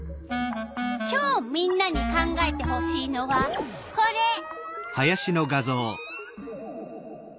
今日みんなに考えてほしいのはこれ。